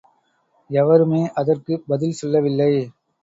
எவருமே அதற்குப் பதில் சொல்லவில்லை.